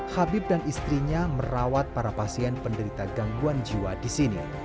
habib dan istrinya merawat para pasien penderita gangguan jiwa di sini